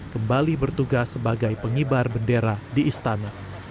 kembali bertugas sebagai pengibar bendera di istana